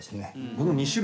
「この２種類？」